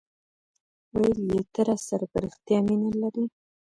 ویل یي ته راسره په ریښتیا مینه لرې